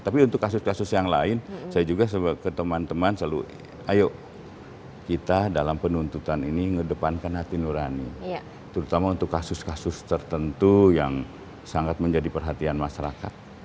tapi untuk kasus kasus yang lain saya juga ke teman teman selalu ayo kita dalam penuntutan ini mengedepankan hati nurani terutama untuk kasus kasus tertentu yang sangat menjadi perhatian masyarakat